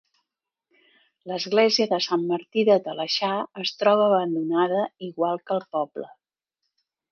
L'església de Sant Martí de Talaixà es troba abandonada, igual que el poble.